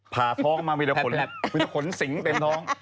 พาท่องมาวิทยาขนสิงห์เต็มท้อง